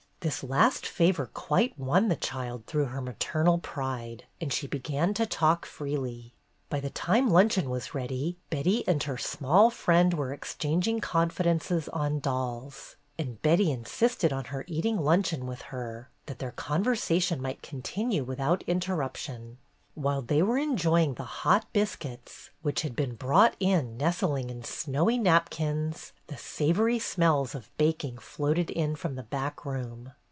This last favor quite won the child, through her maternal pride, and she began to talk freely. By the time luncheon was ready, Betty and her small friend were exchanging confidences on dolls, and Betty insisted on her eating luncheon with her, that their conversation might continue without inter ruption. While they were enjoying the hot biscuits, which had been brought in nestling in snowy napkins, the savory smells of baking floated in from the back room.